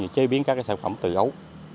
chế biến các sản phẩm từ ấu